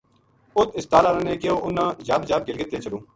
اُت ہسپتال ہالاں نے کہیو انھاں جھب جھب گلگلت لے چلوں